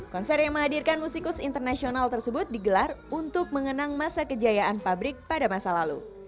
konser yang menghadirkan musikus internasional tersebut digelar untuk mengenang masa kejayaan pabrik pada masa lalu